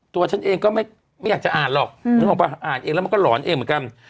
ตัวฉันเองก็ไม่อยากจะอ่านหรอกนึกออกป่ะอ่านเองแล้วมันก็หลอนเองเหมือนกัน